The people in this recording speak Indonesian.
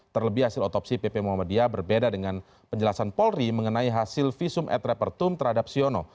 terlebih hasil otopsi pp muhammadiyah berbeda dengan penjelasan polri mengenai hasil visum et repertum terhadap siono